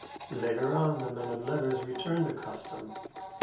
Later on, the men of letters returned the custom.